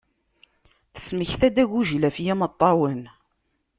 Tesmekta-d agujil ɣef yimeṭṭawen.